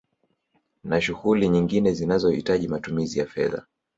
Na shughuli nyingine zinazo hitaji matumizi fedha